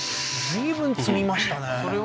随分積みましたね